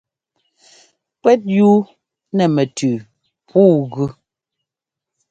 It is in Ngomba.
Kúɛ́t yú nɛ́ mɛtʉʉ pǔu ɛ́gʉ.